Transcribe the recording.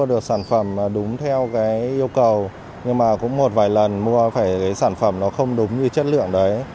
được sản phẩm đúng theo cái yêu cầu nhưng mà cũng một vài lần mua phải cái sản phẩm nó không đúng như chất lượng đấy